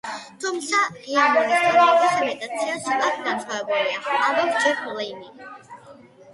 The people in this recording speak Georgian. თუმცა, ღია მონიტორინგის მედიტაცია ცოტა განსხვავებულია“ – ამბობს ჯეფ ლინი.